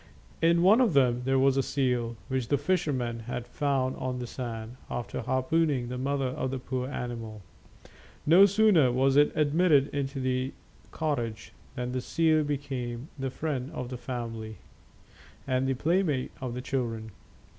In one of them there was a seal, which the fisherman had found on the sand, after harpooning the mother of the poor animal. No sooner was it admitted into the cottage than the seal became the friend of the family and the playmate of the children.